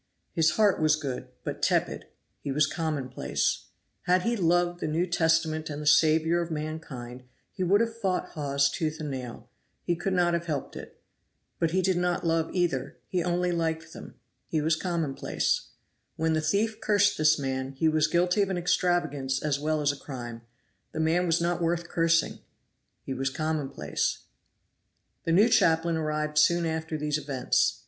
His heart was good, but tepid he was commonplace. Had he loved the New Testament and the Saviour of mankind, he would have fought Hawes tooth and nail; he could not have helped it. But he did not love either; he only liked them he was commonplace. When the thief cursed this man, he was guilty of an extravagance as well as a crime; the man was not worth cursing he was commonplace. The new chaplain arrived soon after these events.